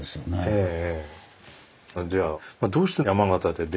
ええ。